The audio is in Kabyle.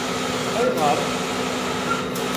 Ayγer?